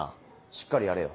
しっかりやれよ。